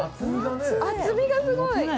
厚みがすごい。